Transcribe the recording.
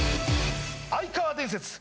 哀川伝説。